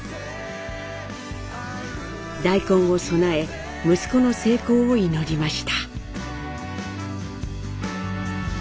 大根を供え息子の成功を祈りました。